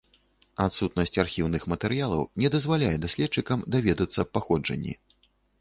Адсутнасць архіўных матэрыялаў не дазваляе даследчыкам даведацца аб паходжанні.